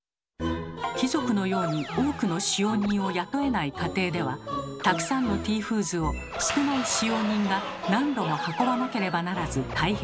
貴族のように多くの使用人を雇えない家庭ではたくさんのティーフーズを少ない使用人が何度も運ばなければならず大変。